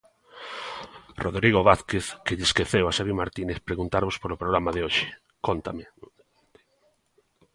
Rodrigo Vázquez, que lle esqueceu a Sevi Martínez preguntarvos polo programa de hoxe, cóntame.